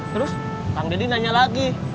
terus kang deddy nanya lagi